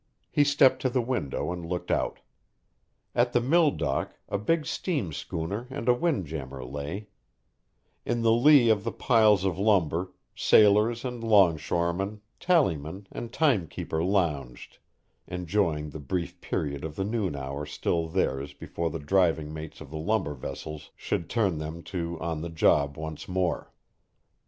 He stepped to the window and looked out. At the mill dock a big steam schooner and a wind jammer lay; in the lee of the piles of lumber, sailors and long shoremen, tallymen and timekeeper lounged, enjoying the brief period of the noon hour still theirs before the driving mates of the lumber vessels should turn them to on the job once more.